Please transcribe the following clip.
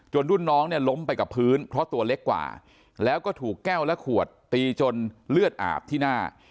รุ่นน้องเนี่ยล้มไปกับพื้นเพราะตัวเล็กกว่าแล้วก็ถูกแก้วและขวดตีจนเลือดอาบที่หน้า